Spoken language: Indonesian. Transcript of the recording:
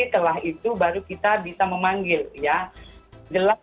setelah itu baru kita bisa memanggil ya